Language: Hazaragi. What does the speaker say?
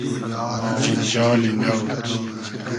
جینجالی نۆ